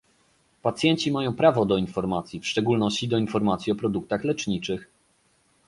Pacjenci mają prawo do informacji, w szczególności do informacji o produktach leczniczych